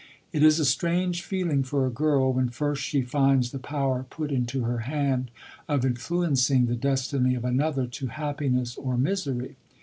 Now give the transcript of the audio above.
It is a strange feeling for a girl, when first she finds the power put into her hand of inrluencii the destiny of another to happiness or misery.